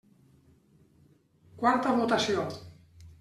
Quarta votació.